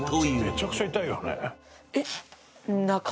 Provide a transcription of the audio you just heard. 「めちゃくちゃ痛いよね」